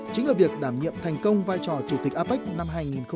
chính là việc đảm nhiệm thành công vai trò chủ tịch apec năm hai nghìn sáu